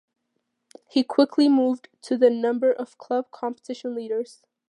He quickly moved to the number of club competition leaders.